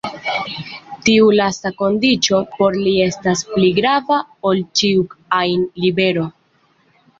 Tiu lasta kondiĉo por li estas pli grava ol ĉiu ajn libero.